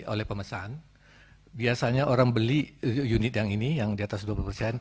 oleh pemesan biasanya orang beli unit yang ini yang diatas dua puluh